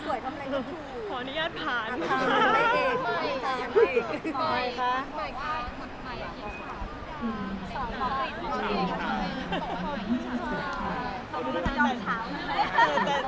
หสงคับเรื่องเราที่ผ่านมา